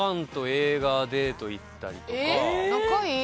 仲いい。